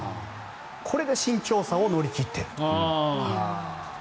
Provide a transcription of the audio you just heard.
これで身長差を乗り切っていると。